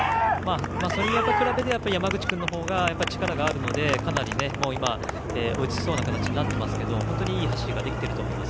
それと比べて山口君の方が力があるのでかなり今、追いつきそうな形になっていますけど本当にいい走りができていると思います。